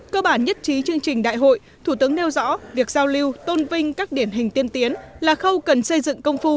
cơ bản nhất trí chương trình đại hội thủ tướng nêu rõ việc giao lưu tôn vinh các điển hình tiên tiến là khâu cần xây dựng công phu